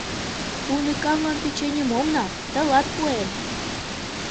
Уныкамлан печеньым ом нал, тылат пуэм!